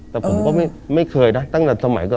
แต่ผมก็ไม่เคยนะตั้งแต่สมัยก่อน